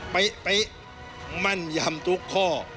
ไปมั่นยำทุกข้อ